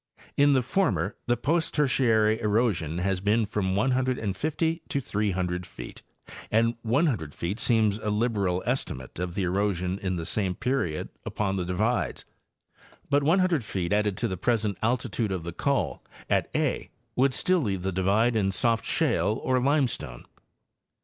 In the former the post Tertiary erosion has been from 150 to 300 feet, and 100 feet seems a liberal estimate of the erosion in the same period upon the divides; but 100 feet added to the present altitude of the col at a would still leave the divide in soft shale or limestone.